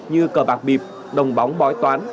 như cờ bạc bịp đồng bóng bói toán